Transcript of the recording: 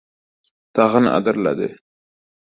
Tag‘in adirladi.